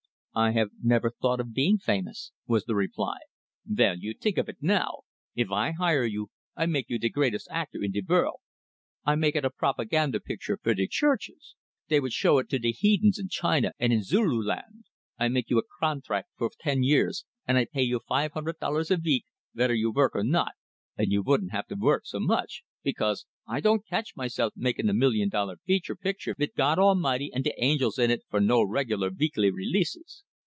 "I have never thought of being famous," was the reply. "Vell, you tink of it now. If I hire you, I make you de greatest actor in de vorld. I make it a propaganda picture fer de churches, dey vould show it to de headens in China and in Zululand. I make you a contract fer ten years, and I pay you five hunded dollars a veek, vedder you vork or not, and you vouldn't have to vork so much, because I don't catch myself makin' a million dollar feature picture vit gawd amighty and de angels in it for no regular veekly releases.